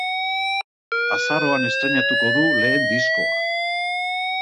Azaroan estreinatuko du lehen diskoa.